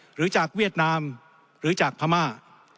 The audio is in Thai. หรือจากเวียดนามหรือจากพม่า